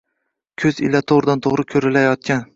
– ko‘z ila to‘g‘ridan-to‘g‘ri ko‘rilayotgan